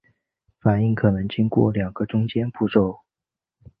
反应可能经过两个中间步骤。